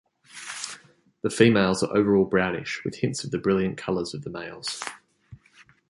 The females are overall brownish with hints of the brilliant colors of the males.